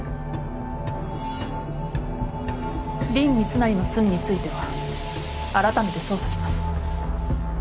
林密成の罪についてはあらためて捜査します。